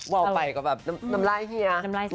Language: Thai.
ว่าวไปก็แบบน้ำลายเฮีย